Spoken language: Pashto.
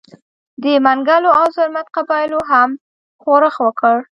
د منګلو او زرمت قبایلو هم ښورښ وکړ.